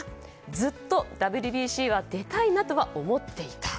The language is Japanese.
ずっとＷＢＣは出たいなとは思っていた。